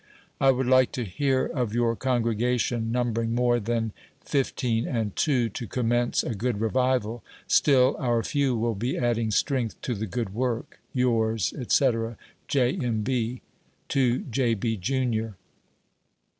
^ I would like to hear of your congregation numbering more than "15 and 2 " to commence a good revival ; still, our few will be adding strength to the good work. Tours, Ac, J. M. B. To J. B., Jr.